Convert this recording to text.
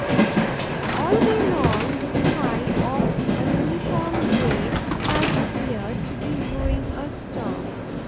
All day long, the sky, of a uniform grey, has appeared to be brewing a storm.